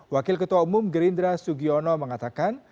wakil ketua umum gerindra sugiono mengatakan